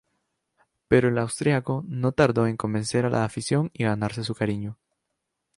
Pero el austríaco no tardó en convencer a la afición y ganarse su cariño.